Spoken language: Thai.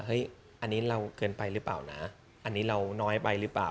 อันนี้เราเกินไปหรือเปล่านะอันนี้เราน้อยไปหรือเปล่า